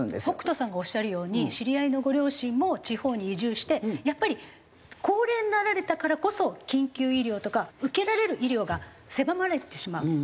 北斗さんがおっしゃるように知り合いのご両親も地方に移住してやっぱり高齢になられたからこそ緊急医療とか受けられる医療が狭まれてしまう。